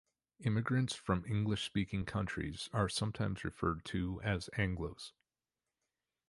Immigrants from English-speaking countries are sometimes referred to as "Anglos".